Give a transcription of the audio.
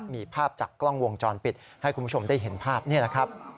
มีภาพจากกล้องวงจรปิดให้คุณผู้ชมได้เห็นภาพนี่นะครับ